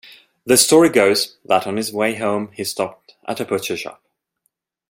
The story goes, that on his way home he stopped at a butcher shop.